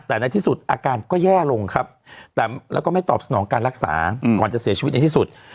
แต่ในที่สุดอาการก็แย่ลงครับแต่แล้วก็ไม่ตอบสนองการรักษาก่อนจะเสียชีวิตในที่สุด